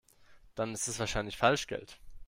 Dann ist es wahrscheinlich Falschgeld.